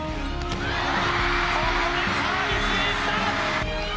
ここでサービスエースだ！